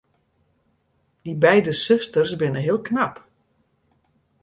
Dy beide susters binne heel knap.